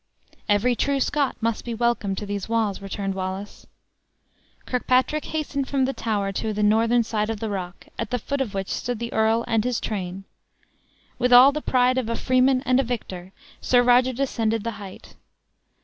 "Every true Scot must be welcome to these walls," returned Wallace. Kirkpatrick hastened from the tower to the northern side of the rock, at the foot of which stood the earl and his train. With all the pride of a freeman and a victor, Sir Roger descended the height.